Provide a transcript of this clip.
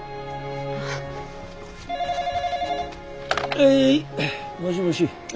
☎はいもしもし。